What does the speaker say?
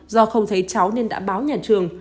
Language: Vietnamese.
do không thấy cháu nên đã báo nhà trường